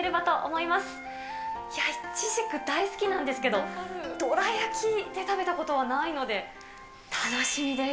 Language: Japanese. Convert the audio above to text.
いや、いちじく大好きなんですけれども、どら焼きで食べたことはないので、楽しみです。